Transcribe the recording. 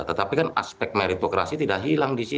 tetapi kan aspek meritokrasi tidak hilang di situ